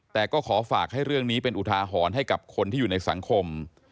แต่ก็ขอฝากให้เรื่องนี้เป็นอุทาหรณ์ให้กับคนที่อยู่ในสังคม